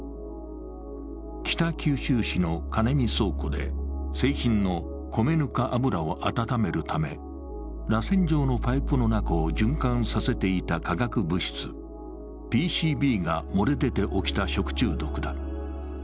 北九州市のカネミ倉庫で製品の米ぬか油を温めるためらせん状のパイプの中を循環させていた化学物質、ＰＣＢが漏れ出て起きた食中毒だ。